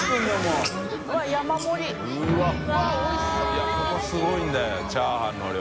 いやここすごいんだチャーハンの量。